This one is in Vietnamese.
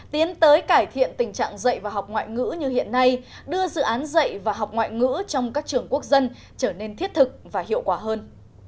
tiến tới cải thiện tình trạng dạy và học ngoại ngữ như hiện nay đưa dự án dạy và học ngoại ngữ trong các trường quốc dân trở nên thiết thực và hiệu quả hơn